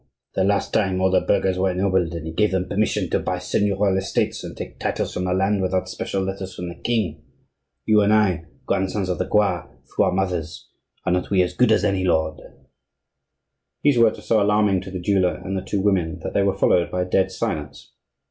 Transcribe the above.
The last time, all the burghers were ennobled, and he gave them permission to buy seignorial estates and take titles from the land without special letters from the king. You and I, grandsons of the Goix through our mothers, are not we as good as any lord?" These words were so alarming to the jeweller and the two women that they were followed by a dead silence.